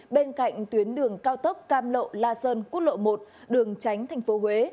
bên cạnh tuyến đường cao tốc cam lộ la sơn quốc lộ một đường tránh tp huế